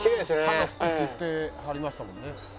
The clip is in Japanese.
「花好きって言ってはりましたもんね」